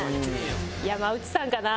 山内さんかな。